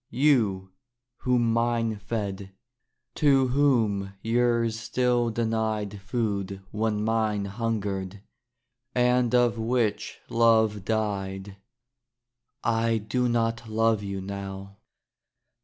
You, whom mine fed; to whom yours still denied Food when mine hungered; and of which love died I do not love you now.